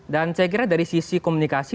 dan saya kira dari sisi komunikasi